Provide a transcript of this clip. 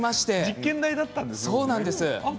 実験台だったんですねこれ。